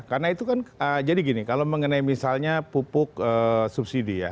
karena itu kan jadi gini kalau mengenai misalnya pupuk subsidi ya